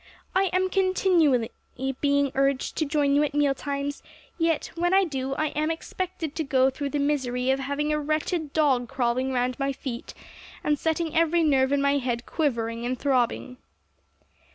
I am continually being urged to join you at meal times; yet, when I do, I am expected to go through the misery of having a wretched dog crawling round my feet, and setting every nerve in my head quivering and throbbing.'